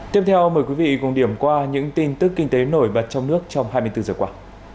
tiếp theo mời quý vị cùng điểm qua những tin tức kinh tế nổi bật trong nước trong hai mươi bốn giờ qua